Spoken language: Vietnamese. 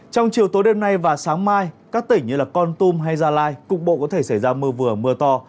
trong chiều tối đêm nay và sáng mai các tỉnh như con tum hay gia lai cục bộ có thể xảy ra mưa vừa mưa to